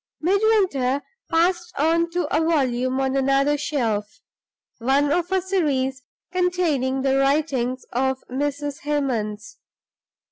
Midwinter passed on to a volume on another shelf one of a series containing the writings of Mrs. Hemans.